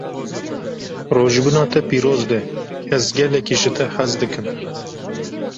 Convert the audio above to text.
Rojbûna te pîroz be, ez gelekî ji te hez dikim.